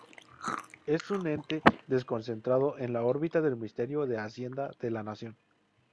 Es un ente desconcentrado en la órbita del Ministerio de Hacienda de la Nación.